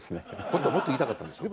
本当はもっと言いたかったでしょ？